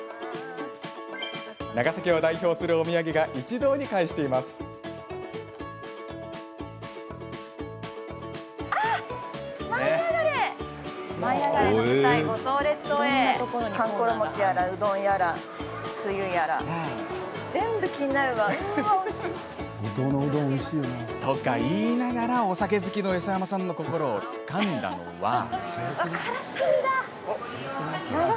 長崎を代表するお土産が一堂に会しています。とか言いながらお酒好きの磯山さんの心をつかんだのは。